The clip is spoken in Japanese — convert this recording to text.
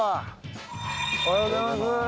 おはようございます。